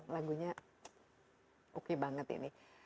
lagunya oke banget ini